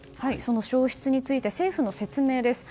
消失について政府の説明です。